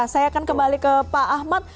saya akan kembali ke pak ahmad